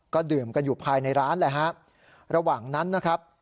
ก็ดื่มกันอยู่ภายในร้านแหละฮะระหว่างนั้นนะครับ